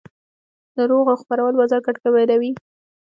د دروغو خپرول بازار ګډوډوي.